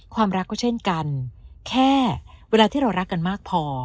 ความรักก็เช่นกันแค่เวลาที่เรารักกันมากพอ